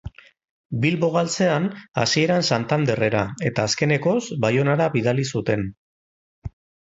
Bilbo galtzean, hasieran Santanderrera eta, azkenekoz, Baionara bidali zuten.